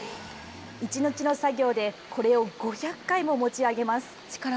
１日の作業でこれを５００回も持ち上げます。